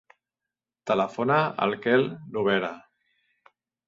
Telefona al Quel Lobera.